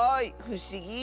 ふしぎ！